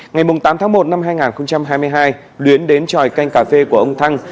ngày tám tháng một năm hai nghìn hai mươi hai luyến đến tròi canh cà phê của ông thăng